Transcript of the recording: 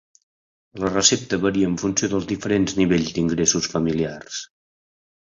La recepta varia en funció dels diferents nivells d'ingressos familiars.